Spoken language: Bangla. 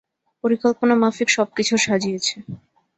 পরিকল্পনা মাফিক সবকিছু সাজিয়েছে।